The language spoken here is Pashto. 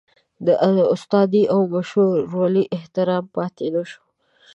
د استادۍ او مشرولۍ احترام پاتې نشو.